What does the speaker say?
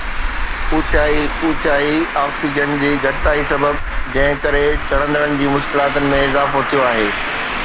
اوچائي اوچائي آڪسيجن جي گھٽتائي سبب. جنهن ڪري چڙهندڙن جي مشڪلاتن ۾ اضافو ٿيو آهي